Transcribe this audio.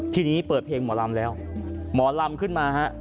ทีนี้เปิดเพลงหมอลำแล้วหมอลำขึ้นมาฮะ